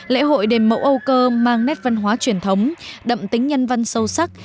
lễ hội đền mẫu âu cơ mang nét văn hóa truyền thống đậm tính nhân văn sâu sắc